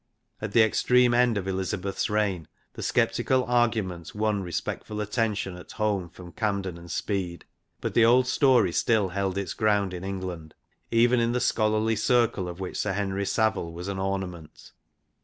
At the extreme end of Elizabeth's reign the sceptical argument won re spectful attention at home from Camden and Speed. But the old story still held its ground in England, even in the scholarly circle of which Sir Henry Savile was an ornament.